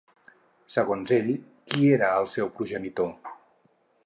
Segons ell, qui era el seu progenitor?